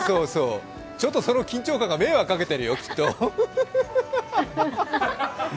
ちょっとその緊張感が迷惑かけてるよ、きっと。